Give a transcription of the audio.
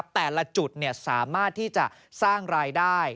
แต่ละจุดสามารถที่จะสร้างรายได้